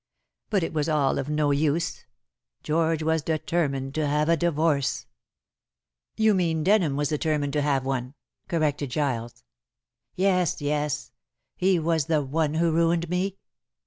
But it was all of no use. George was determined to have a divorce." "You mean Denham was determined to have one," corrected Giles. "Yes, yes. He was the one who ruined me.